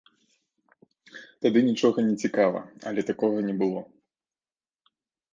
Тады нічога не цікава, але такога не было.